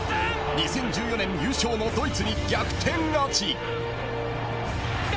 ２０１４年優勝のドイツに逆転勝ち。